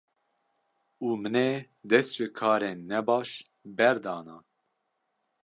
û min ê dest ji karên nebaş berdana.